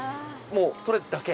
もうそれだけ？